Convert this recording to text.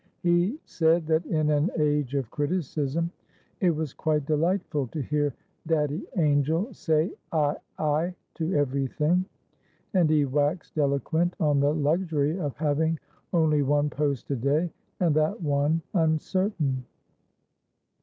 He said that in an age of criticism it was quite delightful to hear Daddy Angel say, "Ay, ay," to every thing; and he waxed eloquent on the luxury of having only one post a day, and that one uncertain.